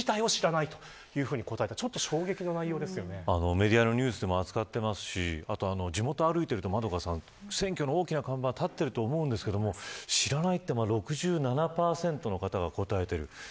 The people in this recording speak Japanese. メディアのニュースでも扱っていますし地元を歩いていると選挙の大きな看板立っていると思うんですけど知らないが、６７％の方が答えている。